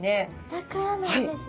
だからなんですね。